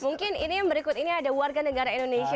mungkin ini yang berikut ini ada warga negara indonesia